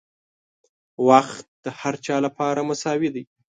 • وخت د هر چا لپاره مساوي دی.